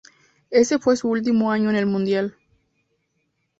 Ese fue su último año en el mundial.